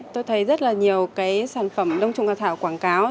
tôi thấy rất là nhiều cái sản phẩm đông trùng cao thảo quảng cáo